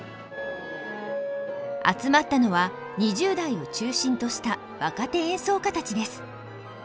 集まったのは２０代を中心とした若手演奏家たちです。